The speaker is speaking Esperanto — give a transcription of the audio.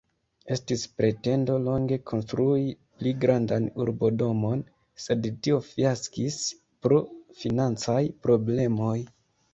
Estis pretendo longe konstrui pli grandan urbodomon, sed tio fiaskis pro financaj problemoj.